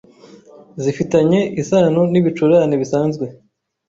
zifitanye isano n'ibicurane bisanzwe